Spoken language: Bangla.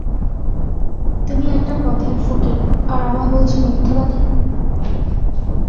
তুমি একটা পথের ফকির, আর আমায় বলছ মিথ্যেবাদী?